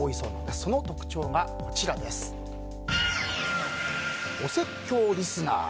その特徴がお説教リスナー。